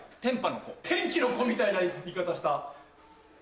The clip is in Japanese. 『天気の子』みたいな言い方した。